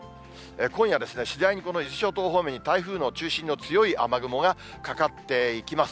今夜、次第にこの伊豆諸島方面に台風の中心の強い雨雲がかかっていきます。